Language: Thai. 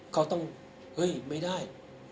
เขาต้องเฮ้ยไม่ได้